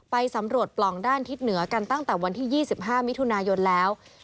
ไปสำรวจปล่องด้านทิศเหนือกันตั้งแต่วันที่๒๕มิถุนายนแล้ว